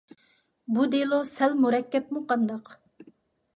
بۇ دېلو سەل مۇرەككەپمۇ قانداق؟